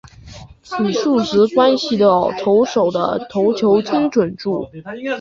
此数值关系到投手的控球精准度。